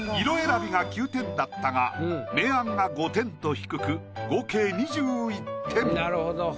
色選びが９点だったが明暗が５点と低く合計２１点。